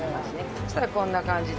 そしたらこんな感じで。